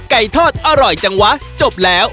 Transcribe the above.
ทอดอร่อยจังวะจบแล้ว